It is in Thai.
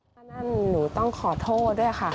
ถ้านั่นหนูต้องขอโทษด้วยค่ะ